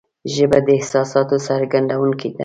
ژبه د احساساتو څرګندونکې ده